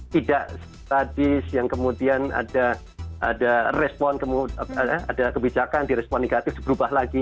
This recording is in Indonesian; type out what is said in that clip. tidak tradis yang kemudian ada respon kebijakan di respon negatif berubah lagi